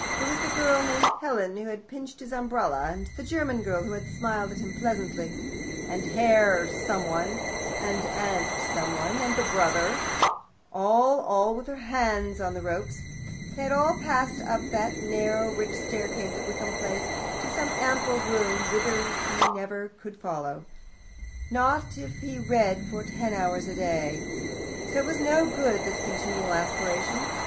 There was the girl named Helen, who had pinched his umbrella, and the German girl who had smiled at him pleasantly, and Herr someone, and Aunt someone, and the brother all, all with their hands on the ropes. They had all passed up that narrow, rich staircase at Wickham Place, to some ample room, whither he could never follow them, not if he read for ten hours a day. Oh, it was not good, this continual aspiration.